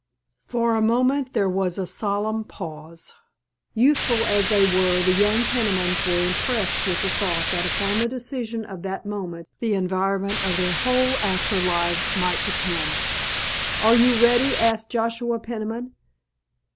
For a moment there was a solemn pause. Youthful as they were the young Penimans were impressed with the thought that upon the decision of that moment the environment of their whole after lives might depend. "Are you ready?" asked Joshua Peniman.